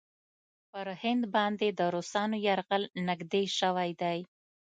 پر هند باندې د روسانو یرغل نېږدې شوی دی.